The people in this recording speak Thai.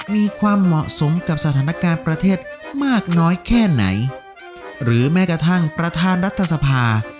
มีความเหมาะสมกับสถานการณ์ประเทศมากน้อยแค่ไหนหรือแม้กระทั่งประธานรัฐสภา